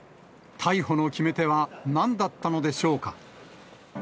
逮捕の決め手はなんだったのでしょうか。